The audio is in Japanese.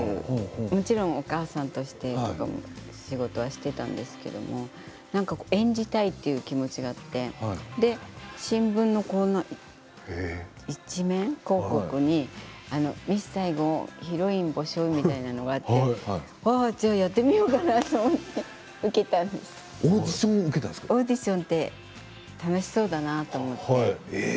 もちろんお母さんとしての仕事はしていたんですけれど何か、演じたいという気持ちがあって、新聞の一面広告に「ミス・サイゴン」ヒロイン募集みたいなのがあってじゃあ、やってみようかなとオーディションを受けたオーディション楽しそうだなと思って。